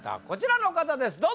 こちらの方です